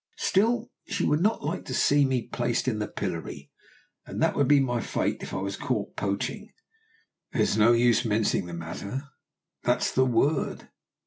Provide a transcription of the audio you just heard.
Still she would not like to see me placed in the pillory, and that would be my fate if I was caught poaching there's no use mincing the matter, that's the word.